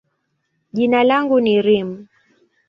jina langu ni Reem.